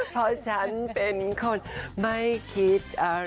เพราะฉันเป็นคนไม่คิดอะไร